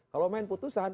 kalau main putusan